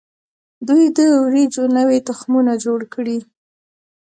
دوی د وریجو نوي تخمونه جوړ کړي.